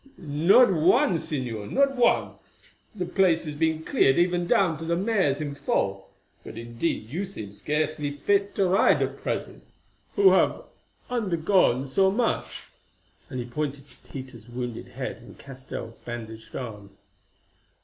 "Not one, Señor—not one; the place has been cleared even down to the mares in foal. But, indeed you seem scarcely fit to ride at present, who have undergone so much," and he pointed to Peter's wounded head and Castell's bandaged arm.